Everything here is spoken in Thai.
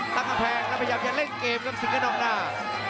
ตั้งกำแพงแล้วพยายามจะเล่นเกมครับสิงกระดองดา